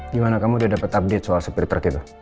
gimana kamu sudah dapat update soal sepiritruk itu